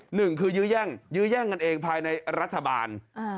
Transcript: หนึ่งคือยื้อแย่งยื้อแย่งกันเองภายในรัฐบาล